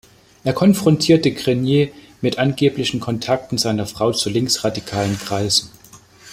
Er konfrontiert Grenier mit angeblichen Kontakten seiner Frau zu linksradikalen Kreisen.